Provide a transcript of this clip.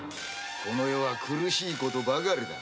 この世は苦しい事ばかりだ。